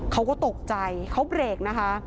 เขาก็ตกใจเขาเบรกนะคะ